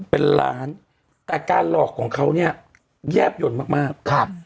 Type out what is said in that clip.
เป็นล้านแต่การหลอกของเขาเนี่ยแยบยนต์มากมากครับ